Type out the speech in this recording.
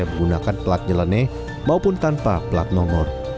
menggunakan plat nyeleneh maupun tanpa plat nomor